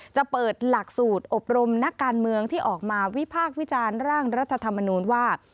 จะเปิดหลักสูตรอบรมนักการเมืองที่ออกมาวิพากษ์วิจารณ์ร่างรัฐธรรมนูญว่า